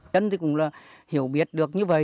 chúng tôi cũng hiểu biết được như vậy